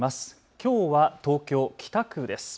きょうは東京北区です。